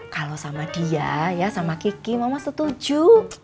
kalau sama dia ya sama kiki mama setuju